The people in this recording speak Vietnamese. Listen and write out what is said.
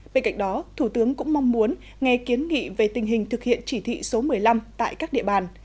bên cạnh đó thủ tướng cũng mong muốn nghe kiến nghị về tình hình thực hiện chỉ thị số một mươi năm tại các địa bàn